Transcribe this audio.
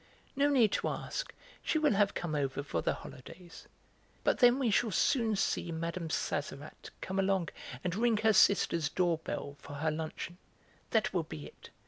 No need to ask, she will have come over for the holidays. But then we shall soon see Mme. Sazerat come along and ring her sister's door bell, for her luncheon. That will be it!